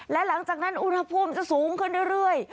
และหลังจากนั้นอุณหภูมิจะสูงขึ้นเรื่อย